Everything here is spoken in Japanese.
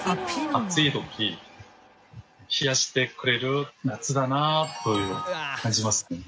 暑い時冷やしてくれる夏だなと感じますね。